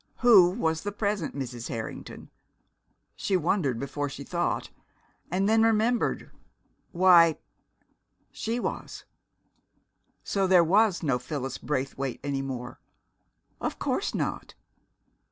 Who was the present Mrs. Harrington? she wondered before she thought and then remembered. Why she was! So there was no Phyllis Braithwaite any more! Of course not....